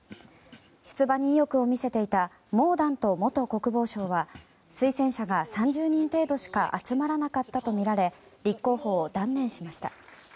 出馬に意欲を見せていたモーダント元国防相は推薦者が３０人程度しか集まらなかったとみられ立候補を断念しました。